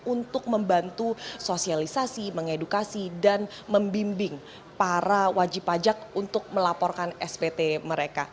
untuk membantu sosialisasi mengedukasi dan membimbing para wajib pajak untuk melaporkan spt mereka